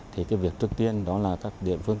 thì việc trước tiên đó là các địa phương